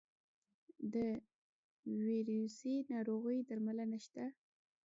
د ویروسي ناروغیو درملنه شته؟